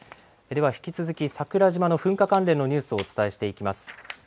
では引き続き、桜島の噴火関連のニュースをお伝えしていきます。